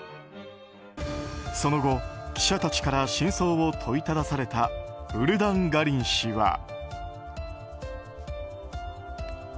その後、記者たちから真相を問いただされたウルダンガリン氏は。